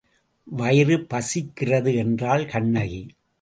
வயிறு பசிக்கிறது என்றாள் கண்ணகி.